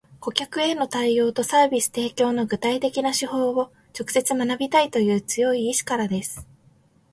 顧客への対応とサービス提供の具体的な手法を直接学びたいという強い意志からです